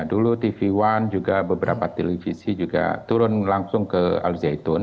dulu tv one juga beberapa televisi juga turun langsung ke al zaitun